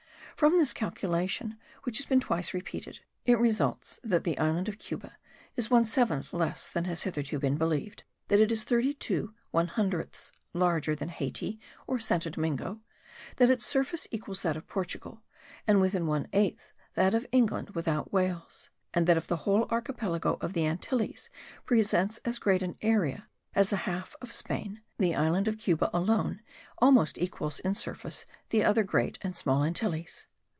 From this calculation, which has been twice repeated, it results that the island of Cuba is one seventh less than has hitherto been believed; that it is 32/100 larger than Hayti, or San Domingo; that its surface equals that of Portugal, and within one eighth that of England without Wales; and that if the whole archipelago of the Antilles presents as great an area as the half of Spain, the island of Cuba alone almost equals in surface the other Great and Small Antilles.